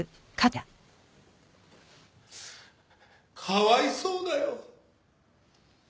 かわいそうだよ。